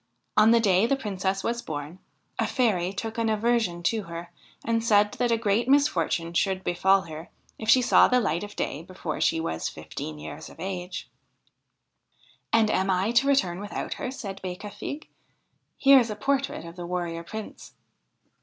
On the day the Princess was born a fairy took an aversion to her, and said that a great misfortune should befall her if she saw the light of day before she was fifteen years of age.' 'And am I to return without her?' said Becafigue. ' Here is a portrait of the Warrior Prince.'